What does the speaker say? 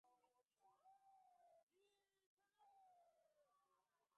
Wenzake waliongea kwa Kinyarwanda na kumwambia kua haonekana kama ana shida aende tu